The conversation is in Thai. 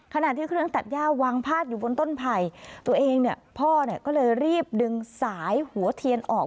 ขณะที่เครื่องตัดย่าวางพาดอยู่บนต้นไผ่ตัวเองเนี่ยพ่อเนี่ยก็เลยรีบดึงสายหัวเทียนออก